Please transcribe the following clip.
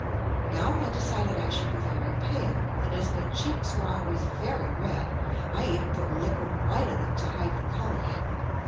Now I decided I should be very pale, and as my cheeks were always very red, I even put liquid white on them to hide the color.